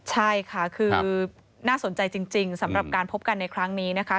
ใช่ค่ะคือน่าสนใจจริงสำหรับการพบกันในครั้งนี้นะคะ